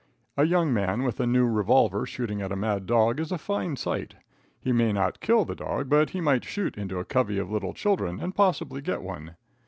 A young man with a new revolver shooting at a mad dog is a fine sight. He may not kill the dog, but he might shoot into a covey of little children and possibly get one.